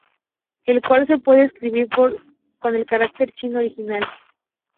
El cual se puede escribir con el carácter chino original.